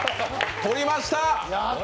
取りました！